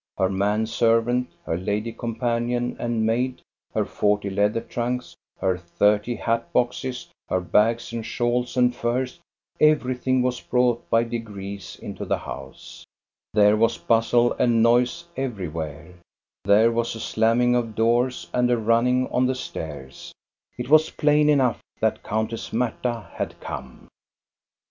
Her man servant, her lady com panion, and maid, her forty leather trunks, her thirty hat boxes, her bags and shawls and furs, everything was brought by degrees into the house. There was V"' MAMSELLE MARIE 243 Vustle and noise everywhere. There was a slamming of doors and a running on the stairs. It was plain enough that Countess Marta had come.